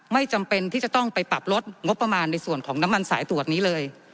ไม่จำเป็นที่จะต้องไปปรับลดงบประมาณในส่วนของน้ำมันสายตรวจนี้เลย